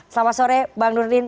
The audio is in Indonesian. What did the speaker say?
selamat sore bang nurin